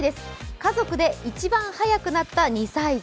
家族で一番速くなった２歳児。